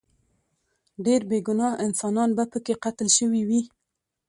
ډیر بې ګناه انسانان به پکې قتل شوي وي.